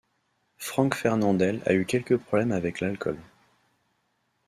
Franck Fernandel a eu quelques problèmes avec l'alcool.